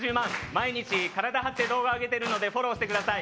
毎日体張って動画あげてるのでフォローしてください